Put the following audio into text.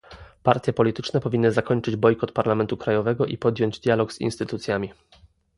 Partie polityczne powinny zakończyć bojkot parlamentu krajowego i podjąć dialog z instytucjami